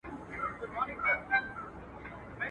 نه خبره نه کیسه ترې هېرېدله.